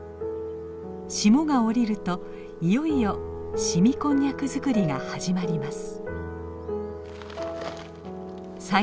霜が降りるといよいよ凍みこんにゃく作りが始まります。